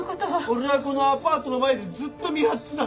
俺はこのアパートの前でずっと見張ってたんだ！